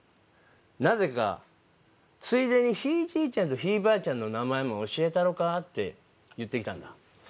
なぜかついでにひいじいちゃんとひいばあちゃんの名前も教えたろかって言ってきたんだ